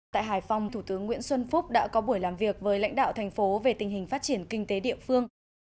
tại hải phòng thủ tướng nguyễn xuân phúc đã có buổi làm việc với lãnh đạo thành phố về tình hình phát triển kinh tế địa phương